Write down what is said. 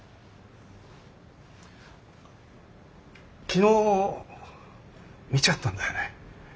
昨日見ちゃったんだよね。